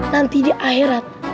nanti di akhirat